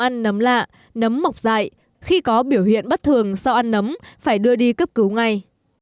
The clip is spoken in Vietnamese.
ăn nấm lạ nấm mọc dại khi có biểu hiện bất thường sau ăn nấm phải đưa đi cấp cứu ngay